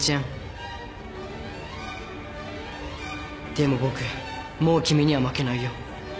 でも僕もう君には負けないよ。